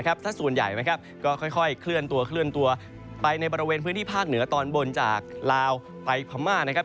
ถ้าส่วนใหญ่นะครับก็ค่อยเคลื่อนตัวเคลื่อนตัวไปในบริเวณพื้นที่ภาคเหนือตอนบนจากลาวไปพม่านะครับ